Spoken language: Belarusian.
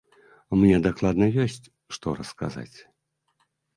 Мне дакладна ёсць, што расказаць.